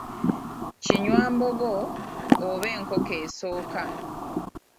Kinywambogo oba enkoko esooka.